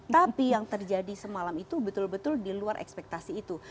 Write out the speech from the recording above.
tapi yang terjadi semalam itu betul betul di luar ekspektasi itu